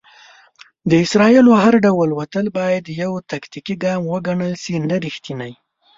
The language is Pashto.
د اسرائیلو هر ډول وتل بايد يو "تاکتيکي ګام وګڼل شي، نه ريښتينی".